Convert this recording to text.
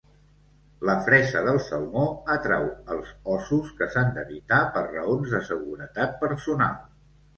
La fresa del salmó atrau els óssos que s'han d'evitar per raons de seguretat personal.